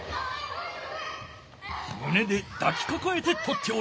むねでだきかかえてとっておる。